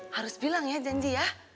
harus bilang ya janji